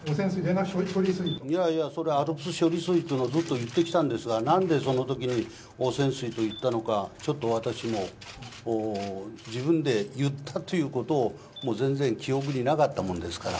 いやいや、それはＡＬＰＳ処理水というのをずっと言ってきたんですが、なんでそのときに汚染水と言ったのか、ちょっと私も自分で言ったっていうことをもう全然記憶になかったものですから。